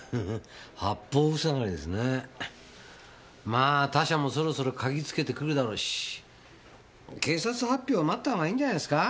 まあ他社もそろそろ嗅ぎつけてくるだろうし警察発表を待ったほうがいいんじゃないですか？